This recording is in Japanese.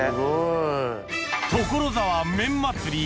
所沢麺祭り